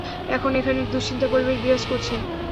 এখন এখানে দুশ্চিন্তার পরিবেশ বিরাজ করছে।